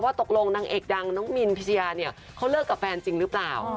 ตกลงนางเอกดังน้องมินพิชยาเนี่ยเขาเลิกกับแฟนจริงหรือเปล่า